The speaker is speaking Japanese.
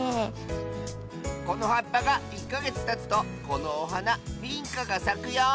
このはっぱが１かげつたつとこのおはなビンカがさくよ！